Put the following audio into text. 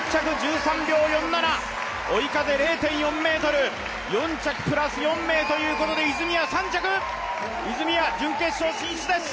追い風０．４ｍ、４着プラス４名ということで泉谷３着泉谷、準決勝進出です！